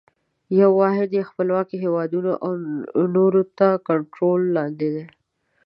یوه واحده یې خپلواکه هیوادونه او نور تر کنټرول لاندي دي.